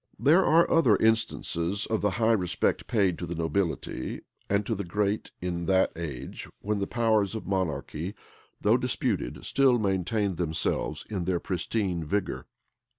There are other instances of the high respect paid to the nobility and to the great in that age, when the powers of monarchy, though disputed, still maintained themselves in their pristine vigor.